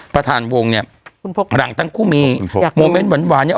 ประธานวงเนี้ยคุณโพกหลังตั้งคู่มีอยากโมเม้นต์หวานหวานเนี้ย